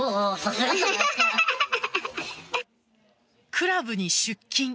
クラブに出勤。